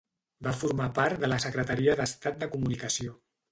Va formar part de la Secretaria d'Estat de Comunicació.